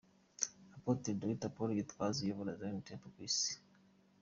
Apotre Dr Paul Gitwaza uyobora Zion Temple ku isi.